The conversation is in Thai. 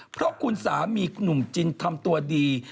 เพราะคุณสามีคุณหนุ่มจินทำตัวดี